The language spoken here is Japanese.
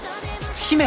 姫！